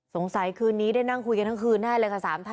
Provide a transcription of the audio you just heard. สงสัยคืนนี้ได้นั่งคุยกันทั้งคืนแน่เลยค่ะสาม